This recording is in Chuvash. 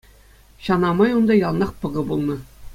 Ҫавна май унта яланах пӑкӑ пулнӑ.